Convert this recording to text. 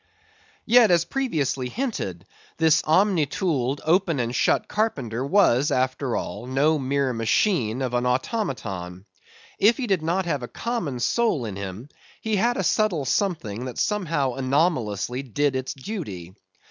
Yet, as previously hinted, this omnitooled, open and shut carpenter, was, after all, no mere machine of an automaton. If he did not have a common soul in him, he had a subtle something that somehow anomalously did its duty.